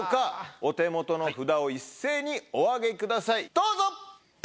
お手元の札を一斉にお上げくださいどうぞ！